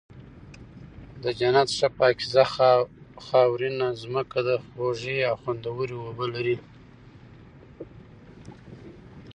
د جنت ښه پاکيزه خاورينه زمکه ده، خوږې او خوندوَري اوبه لري